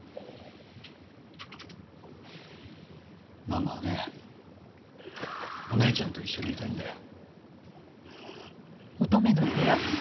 ママはねお姉ちゃんと一緒にいたいんだよ。